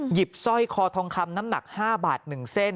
สร้อยคอทองคำน้ำหนัก๕บาท๑เส้น